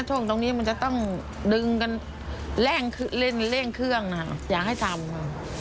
ช่วงตรงนี้มันจะต้องเร่งเครื่องอย่างให้ทำ